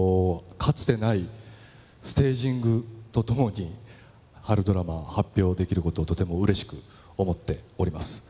かつてないステージングとともに春ドラマ発表できることをとても嬉しく思っております